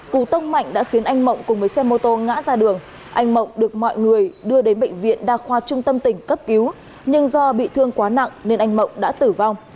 cú tông mạnh đã khiến anh mộng cùng với xe mô tô ngã ra đường anh mộng được mọi người đưa đến bệnh viện đa khoa trung tâm tỉnh cấp cứu nhưng do bị thương quá nặng nên anh mộng đã tử vong